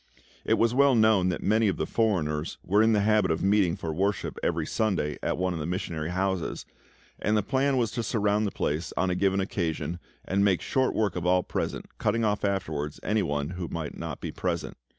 It was well known that many of the foreigners were in the habit of meeting for worship every Sunday evening at one of the missionary houses, and the plan was to surround the place on a given occasion and make short work of all present, cutting off afterwards any who might not be present.